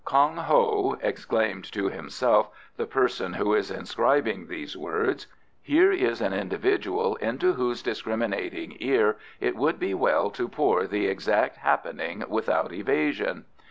"Kong Ho," exclaimed to himself the person who is inscribing these words, "here is an individual into whose discriminating ear it would be well to pour the exact happening without evasion.